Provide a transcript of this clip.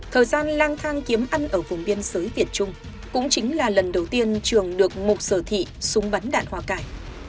thời gian lang thang kiếm ăn ở vùng biên giới việt trung cũng chính là lần đầu tiên trường được một sở thị súng bắn đạn hoa cải